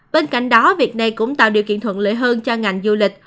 bên cạnh đó việc này cũng tạo điều kiện thuận lợi hơn cho ngành du lịch